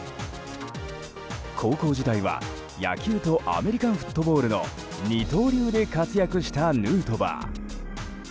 高校時代は野球とアメリカンフットボールの二刀流で活躍したヌートバー。